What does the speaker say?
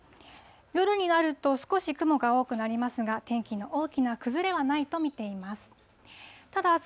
夜になると少し雲が多くなりますが、天気の大きな崩れはないと見ています。